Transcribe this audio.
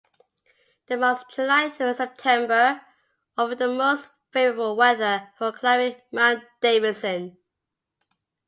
The months July through September offer the most favorable weather for climbing Mount Davidson.